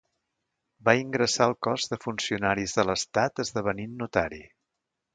Va ingressar al Cos de Funcionaris de l'Estat esdevenint notari.